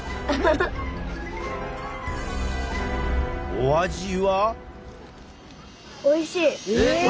お味は？